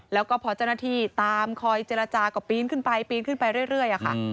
แล้วก็พอเจ้าหน้าที่ตามคอยเจรจาก็ปีนขึ้นไปปีนขึ้นไปเรื่อยค่ะ